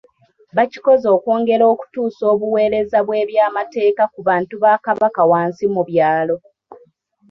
Bakikoze okwongera okutuusa obuweereza bw'ebyamateeka ku bantu ba Kabaka wansi mu byalo